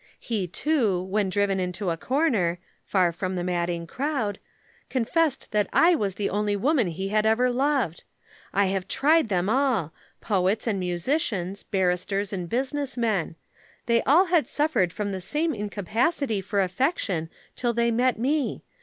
He, too, when driven into a corner (far from the madding crowd) confessed that I was the only woman he had ever loved. I have tried them all poets and musicians, barristers and business men. They all had suffered from the same incapacity for affection till they met me.